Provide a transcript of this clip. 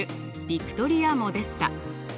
ヴィクトリア・モデスタ。